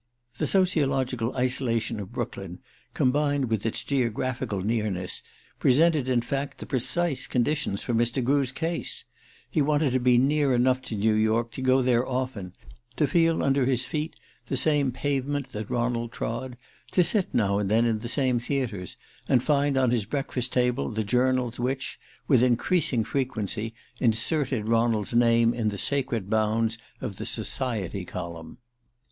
The sociological isolation of Brooklyn, combined with its geographical nearness, presented in fact the precise conditions for Mr. Grew's case. He wanted to be near enough to New York to go there often, to feel under his feet the same pavement that Ronald trod, to sit now and then in the same theatres, and find on his breakfast table the journals which, with increasing frequency, inserted Ronald's name in the sacred bounds of the society column.